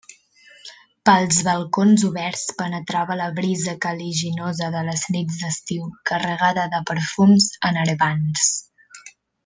Pels balcons oberts penetrava la brisa caliginosa de les nits d'estiu, carregada de perfums enervants.